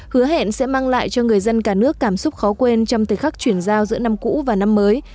hứa hẹn sẽ mang lại cho người dân cả nước cảm xúc khó quên trong thời khắc chuyển giao giữa năm cũ và năm mới